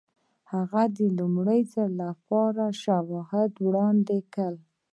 هغه د لومړي ځل لپاره مهم شواهد وړاندې کړل.